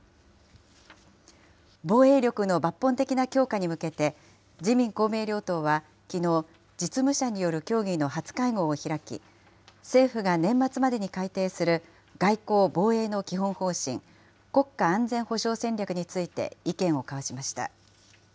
防衛力の抜本的な強化に向けて、自民、公明両党はきのう、実務者による協議の初会合を開き、政府が年末までに改定する外交・防衛の基本方針、国家安全保障戦略について意見を交わしました。